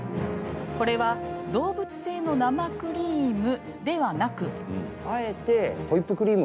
これは動物性の生クリームではなく。